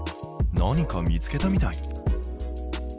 何か見つけたみたい。